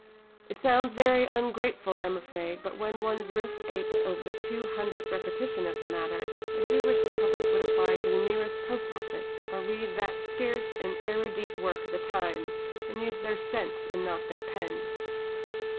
It sounds very ungrateful, I am afraid, but when one's wrist aches over the two hundredth repetition of the matter, I do wish the public would apply to the nearest post office, or read that scarce and erudite work the Times, and use their sense not their pens.